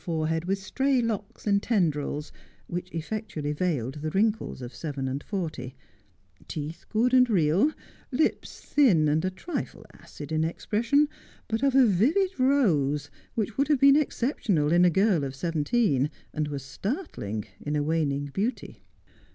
75 forehead with stray locks and tendrils which effectually veiled the wrinkles of seven and forty ; teeth good and real ; lips thin and a trifle acid in expression, but of a vivid rose which would have been exceptional in a girl of seventeen, and was startling in a waning beauty.